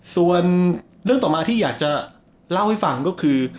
ส่วนเรื่องต่อมาที่อยากจะเล่าให้ฟังก็คือ